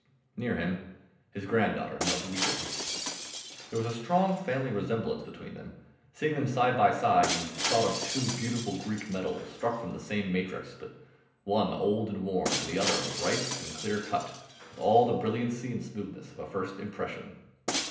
Near him his granddaughter knelt weeping. There was a strong family resemblance between them. Seeing them side by side, you thought of two beautiful Greek medals struck from the same matrix, but one old and worn and the other bright and clear cut with all the brilliancy and smoothness of a first impression.